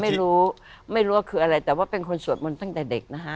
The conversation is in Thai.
ไม่รู้ไม่รู้ว่าคืออะไรแต่ว่าเป็นคนสวดมนต์ตั้งแต่เด็กนะฮะ